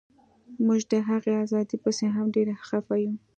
موږ د هغې ازادۍ پسې هم ډیر خفه یو